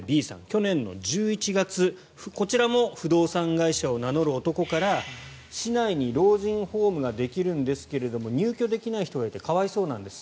去年の１１月こちらも不動産会社を名乗る男から市内に老人ホームができるんですけれども入居できない人がいて可哀想なんです